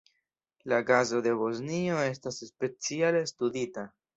La kazo de Bosnio estas speciale studita.